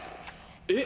えっ？